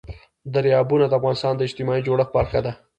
دریابونه د افغانستان د اجتماعي جوړښت برخه ده.